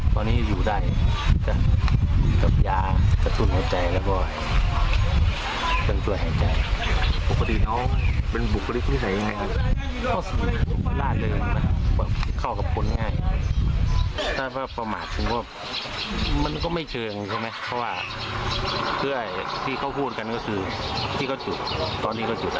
สดที่เขาพูดกันก็ก็คือที่เขาจุดตอนนี้เขาจุดอะ